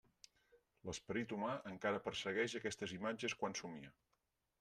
L'esperit humà encara persegueix aquestes imatges quan somia.